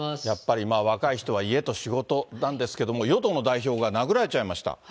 やっぱりまあ、若い人は家と仕事なんですけれども、与党の代表が殴られちゃいました。